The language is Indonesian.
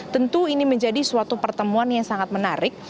tentu ini menjadi suatu pertemuan yang sangat menarik